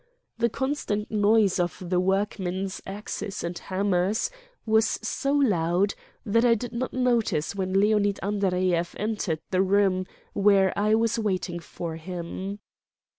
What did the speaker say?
The constant noise of the work men's axes and hammers was so loud that I did not notice when Leonid Andreyev entered the room where I was waiting for him.